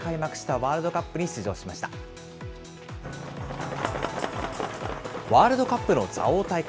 ワールドカップの蔵王大会。